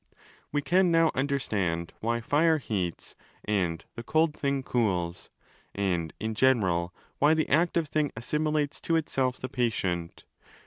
10 Wecan now understand why fire heats and the cold thing cools, and in general why the active thing assimilates to itself the patient.